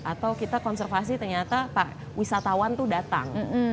atau kita konservasi ternyata wisatawan itu datang